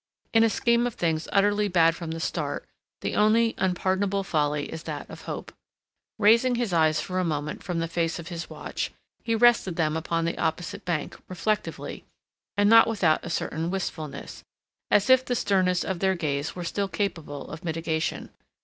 In a scheme of things utterly bad from the start the only unpardonable folly is that of hope. Raising his eyes for a moment from the face of his watch, he rested them upon the opposite bank, reflectively and not without a certain wistfulness, as if the sternness of their gaze were still capable of mitigation.